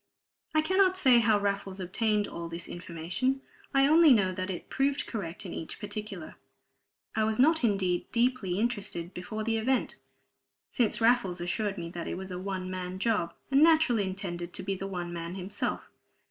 I cannot say how Raffles obtained all this information. I only know that it proved correct in each particular. I was not indeed deeply interested before the event, since Raffles assured me that it was "a one man job," and naturally intended to be the one man himself.